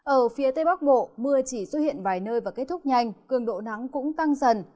ở phía tây bắc bộ mưa chỉ xuất hiện vài nơi và kết thúc nhanh cường độ nắng cũng tăng dần